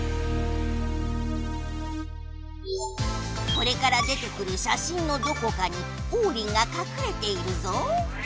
これから出てくる写真のどこかにオウリンがかくれているぞ。